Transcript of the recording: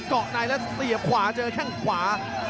เกาะในแล้วเสียบขวาเจอแข้งขวา